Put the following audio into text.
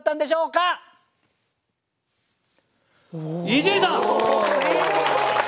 伊集院さん。